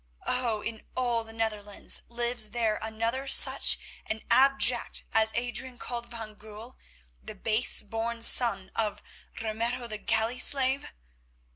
Oh! in all the Netherlands lives there another such an abject as Adrian called van Goorl, the base born son of Ramiro the galley slave?"